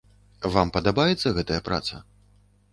Вам падабаецца гэтая праца?